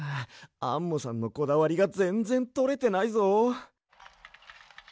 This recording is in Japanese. アンモさんのこだわりがぜんぜんとれてないぞ。